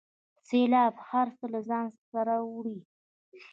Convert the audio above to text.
سیلاب هر څه له ځانه سره وړي.